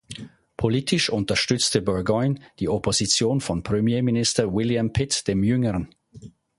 Politisch unterstützte Burgoyne die Opposition von Premierminister William Pitt dem Jüngeren.